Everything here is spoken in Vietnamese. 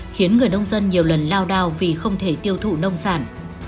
khiến người nông dân nhiều lần lao đao vì không thể tiêu thụ nông sản